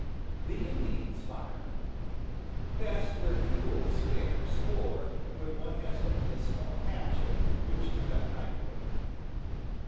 The Indian s Fire. — Best where fuel is scarce, or when one has only a small hatchet with which to cut night wood.